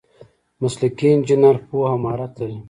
مسلکي انجینر پوهه او مهارت لري.